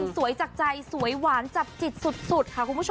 สวยจากใจสวยหวานจับจิตสุด